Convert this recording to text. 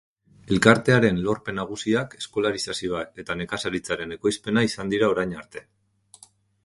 Elkartearen lorpen nagusiak eskolarizazioa eta nekazaritzaren ekoizpena izan dira orain arte.